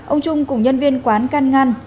ông trung cùng nhân viên quán can ngăn